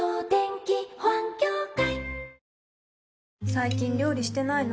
最近料理してないの？